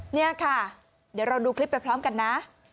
นี่ค่ะเดี๋ยวเราดูคลิปไปพร้อมกันนะ